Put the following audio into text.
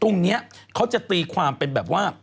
ตรงนี้เขาจะตีความเป็นแบบว่า